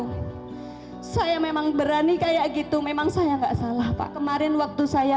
hai saya memang berani kayak gitu memang saya enggak salah pak kemarin waktu saya